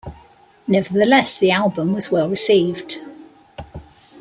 Nevertheless, the album was well received.